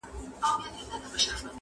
له اوږده سفره ستړي را روان وه،